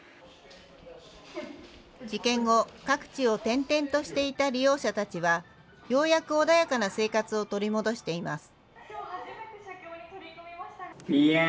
事件後、各地を転々としていた利用者たちは、ようやく穏やかな生活を取り戻しています。